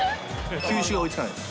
球種が追いつかないです。